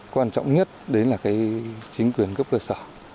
quan trọng nhất đấy là cái chính quyền cấp cơ sở